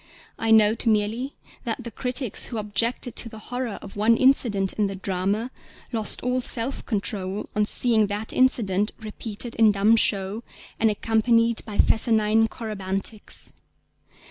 I note merely that the critics who objected to the horror of one incident in the drama lost all self control on seeing that incident repeated in dumb show and accompanied by fescennine corybantics.